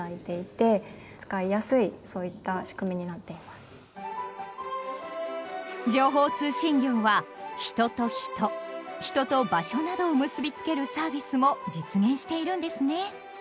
こちらは情報通信業は人と人人と場所などを結びつけるサービスも実現しているんですね。